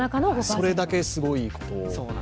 それだけすごいこと。